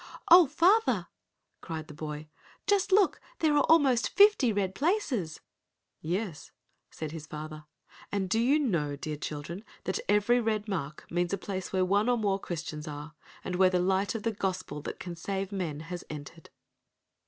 "Oh, father," cried the boy, "just look, there are almost fifty red places." "Yes," said his father, "And do you know dear children that every red mark means a place where one or more Christians are, and where the light of the Gospel that can save men has entered?"